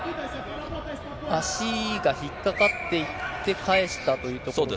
足が引っ掛かっていって、返したということで。